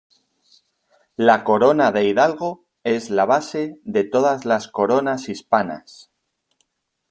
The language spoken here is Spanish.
La corona de hidalgo es la base de todas las coronas hispanas.